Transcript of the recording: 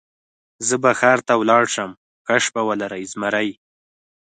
زه به ښار ته ولاړ شم، ښه شپه ولرئ زمري.